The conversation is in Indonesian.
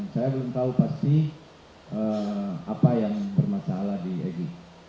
saya belum tahu pasti apa yang bermasalah di egy